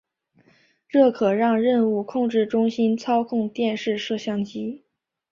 这可让任务控制中心操控电视摄像机。